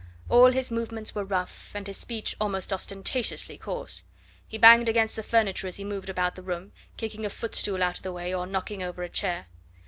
All his movements were rough, and his speech almost ostentatiously coarse. He banged against the furniture as he moved about the room, kicking a footstool out of the way or knocking over a chair.